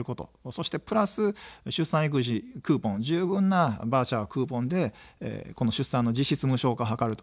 そしてプラス出産育児クーポン、十分なバウチャー、クーポンでこの出産の実質無償化を図る。